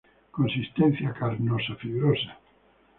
Consistencia carnosa-fibrosa.